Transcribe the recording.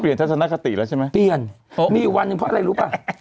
ทัศนคติแล้วใช่ไหมเปลี่ยนมีอีกวันหนึ่งเพราะอะไรรู้ป่ะ